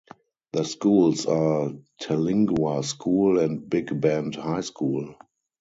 The schools are Terlingua School and Big Bend High School.